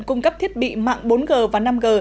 cung cấp thiết bị mạng bốn g và năm g